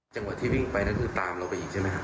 จังหวะที่วิ่งไปนั่นคือตามเราไปอีกใช่ไหมครับ